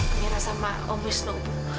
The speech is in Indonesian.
amira sama om wisnu